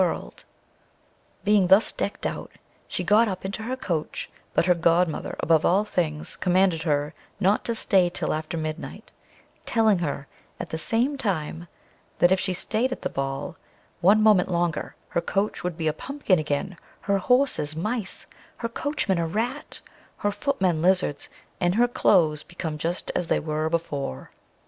] Being thus decked out, she got up into her coach; but her godmother, above all things, commanded her not to stay till after midnight, telling her, at the same time, that if she stayed at the ball one moment longer, her coach would be a pumpkin again, her horses mice, her coachman a rat, her footmen lizards, and her clothes become just as they were before.